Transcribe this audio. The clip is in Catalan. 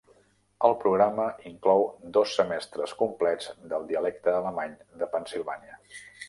El programa inclou dos semestres complets del dialecte alemany de Pennsilvània.